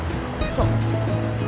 そう。